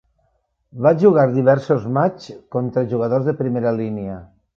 Va jugar diversos matxs contra jugadors de primera línia.